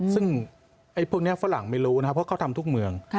ซึ่งพวกนี้ฝรั่งไม่รู้นะครับเพราะเขาทำทุกเมือง